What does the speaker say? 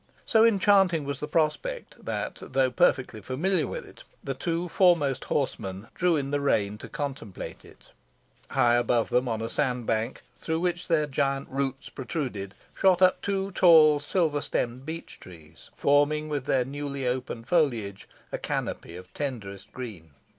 So enchanting was the prospect, that though perfectly familiar with it, the two foremost horsemen drew in the rein to contemplate it. High above them, on a sandbank, through which their giant roots protruded, shot up two tall silver stemm'd beech trees, forming with their newly opened foliage a canopy of tenderest green.